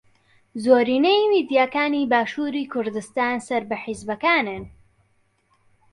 زۆرینەی میدیاکانی باشووری کوردستان سەر بە حیزبەکانن.